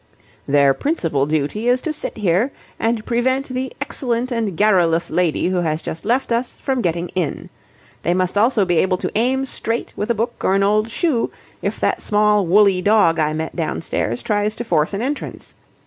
"Their principal duty is to sit here and prevent the excellent and garrulous lady who has just left us from getting in. They must also be able to aim straight with a book or an old shoe, if that small woolly dog I met downstairs tries to force an entrance.